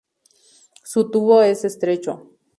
Su tubo es estrecho.